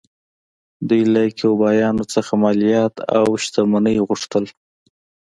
دوی له کیوبایانو څخه مالیات او شتمنۍ غوښتل